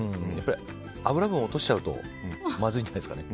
脂分を落としちゃうとまずいんじゃないですかね。